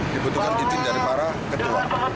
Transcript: dibutuhkan izin dari para ketua